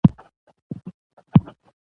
او کرم شکرانې ادا کوي.